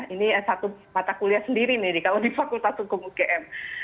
ini satu mata kuliah sendiri nih kalau di fakultas hukum ugm